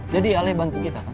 jadi ale bantu kita kan